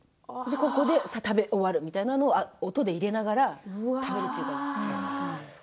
ここで食べ終わるみたいなのは音で入れながら食べていたんです。